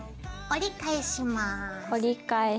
折り返します。